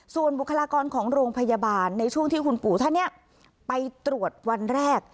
ส่วนบุคลากรของโรงพยาบาลในช่วงที่คุณปู่ท่านเนี่ยไปตรวจวันแรก